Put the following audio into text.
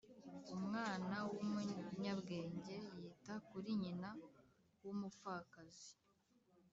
umwana wumunyabwenge, yita kuri nyina w’umupfakazi